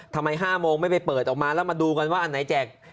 ทำไม๕โมงไม่ไปเปิดออกมาแล้วมาดูกันว่าอันไหนแจก